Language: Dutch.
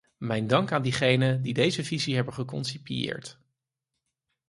Mijn dank aan degenen die deze visie hebben geconcipieerd!